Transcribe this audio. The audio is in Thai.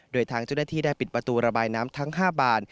โดยทางเจ้าหน้าที่ได้ปิดประตูระบายน้ำทั้ง๕บาน